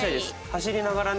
走りながらね